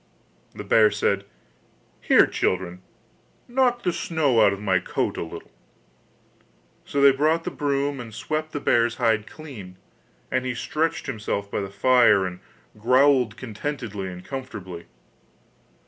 The bear said: 'Here, children, knock the snow out of my coat a little'; so they brought the broom and swept the bear's hide clean; and he stretched himself by the fire and growled contentedly and comfortably.